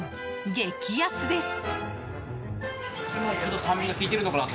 激安です！